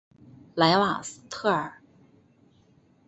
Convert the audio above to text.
莱瓦斯特尔。